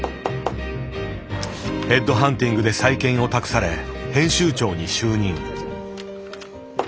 ヘッドハンティングで再建を託され編集長に就任。